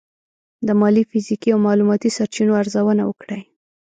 د مالي، فزیکي او معلوماتي سرچینو ارزونه وکړئ.